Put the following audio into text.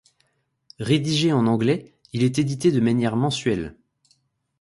Rédigé en anglais, il est édité de manière mensuelle.